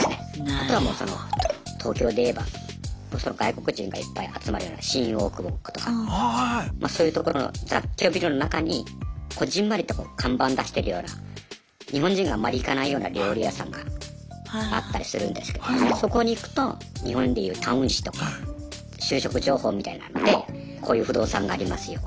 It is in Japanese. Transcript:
あとはもうその東京でいえば外国人がいっぱい集まるような新大久保とかまそういうところの雑居ビルの中にこぢんまりと看板出してるような日本人があんまり行かないような料理屋さんがあったりするんですけどそこに行くと日本でいうタウン誌とか就職情報みたいなのでこういう不動産がありますよ